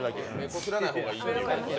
こすらない方がいい。